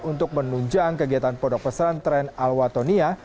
untuk menunjang kegiatan pondok pesantren al watonia